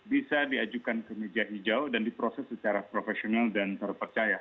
bisa diajukan ke meja hijau dan diproses secara profesional dan terpercaya